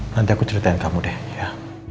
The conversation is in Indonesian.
nanti aku ceritain kamu deh ya